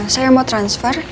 saya mau transfer